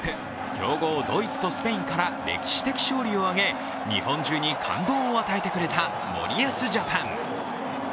強豪ドイツとスペインから歴史的勝利を挙げ、日本中に感動を与えてくれた森保ジャパン。